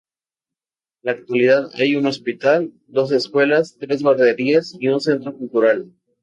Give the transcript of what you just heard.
En la localidad hay un hospital, dos escuelas, tres guarderías y un centro cultural.